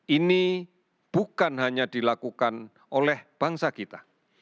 ini bukan hanya dilakukan oleh bangsa kita